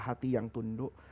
hati yang tunduk